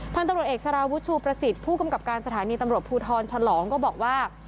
พันธุ์ตำรวจเอกสารวุฒิชูประสิทธิ์ผู้กำกับการสถานีตำรวจภูทรฉลองก็บอกว่า